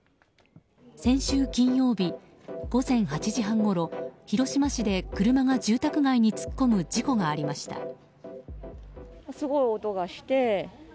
先週金曜日、午前８時半ごろ広島市で車が住宅街に突っ込む事故がありました。